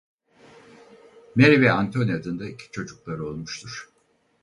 Mary ve Anthony adında iki çocukları olmuştur.